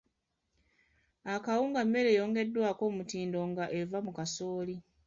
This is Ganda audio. Akawunga mmere eyongeddwako omutindo nga eva mu kasooli.